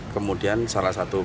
kemudian salah satu